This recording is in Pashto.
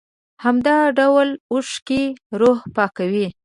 همدا ډول اوښکې روح پاکوي.